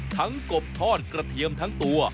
กบทอดกระเทียมทั้งตัว